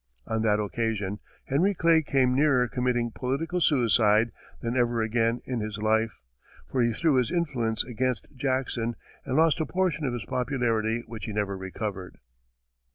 On that occasion, Henry Clay came nearer committing political suicide than ever again in his life, for he threw his influence against Jackson, and lost a portion of his popularity which he never recovered.